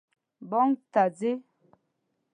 بانک ته ځئ؟